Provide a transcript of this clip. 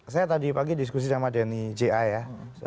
saya tadi pagi diskusi sama denny ja ya